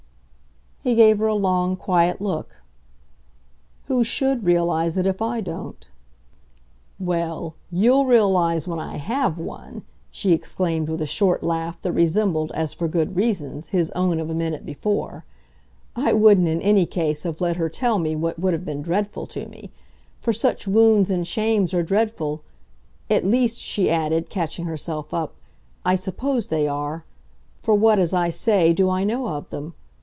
He gave her a long, quiet look. "Who SHOULD realise if I don't?" "Well, you'll realise when I HAVE one!" she exclaimed with a short laugh that resembled, as for good reasons, his own of a minute before. "I wouldn't in any case have let her tell me what would have been dreadful to me. For such wounds and shames are dreadful: at least," she added, catching herself up, "I suppose they are; for what, as I say, do I know of them?